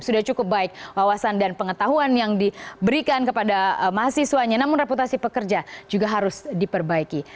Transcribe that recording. sudah cukup baik wawasan dan pengetahuan yang diberikan kepada mahasiswanya namun reputasi pekerja juga harus diperbaiki